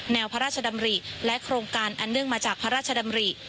แนวพระราชดำรี